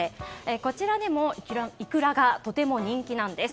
こちらでもイクラがとても人気なんです。